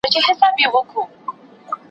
شین طوطي کیسې د ټوکو جوړولې